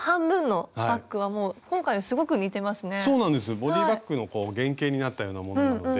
ボディーバッグの原型になったようなものなので。